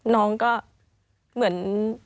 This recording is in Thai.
น้องก็เหมือน